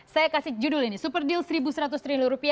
saya kasih judul ini super deal rp satu seratus triliun